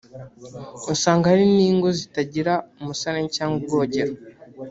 usanga hari n’ingo zitagira umusarane cyangwa ubwogero